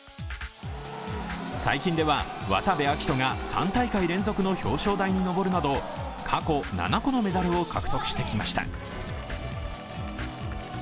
最近では、渡部暁斗が３大会連続の表彰台に上るなど、過去７個のメダルを獲得してきました。